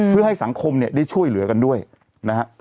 เพื่อให้สังคมเนี่ยได้ช่วยเหลือกันด้วยนะฮะ